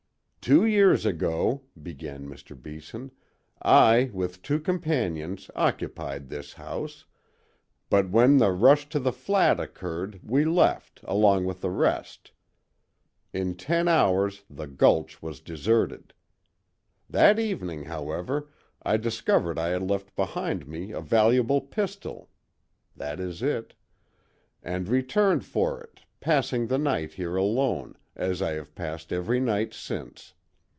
"Two years ago," began Mr. Beeson, "I, with two companions, occupied this house; but when the rush to the Flat occurred we left, along with the rest. In ten hours the Gulch was deserted. That evening, however, I discovered I had left behind me a valuable pistol (that is it) and returned for it, passing the night here alone, as I have passed every night since.